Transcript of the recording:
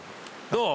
どう？